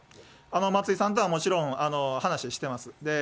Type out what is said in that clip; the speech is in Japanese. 松井さんとはもちろん、話してます。